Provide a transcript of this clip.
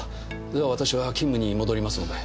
では私は勤務に戻りますので。